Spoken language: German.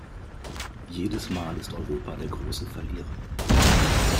Jedes Mal ist Europa der große Verlierer.